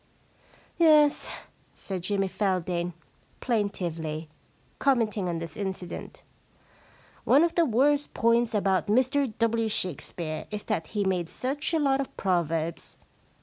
* Yes/ said Jimmy Feldane plaintively, commenting on this incident, * one of the worst points about Mr W. Shakespeare is that he made such a lot of proverbs.